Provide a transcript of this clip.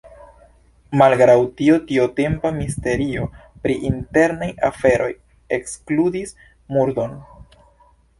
Malgraŭ tio tiutempa ministerio pri internaj aferoj ekskludis murdon.